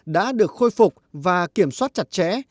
đã được khôi phục và kiểm soát chặt chẽ